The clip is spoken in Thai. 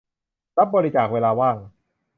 รับบริจาค "เวลาว่าง"